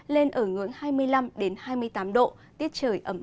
lên ở ngưỡng hai mươi bốn độ c